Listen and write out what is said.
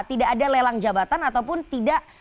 tidak ada lelang jabatan ataupun tidak